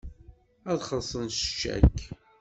Ad xellṣent s ccak.